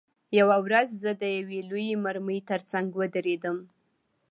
یوه ورځ زه د یوې لویې مرمۍ ترڅنګ ودرېدم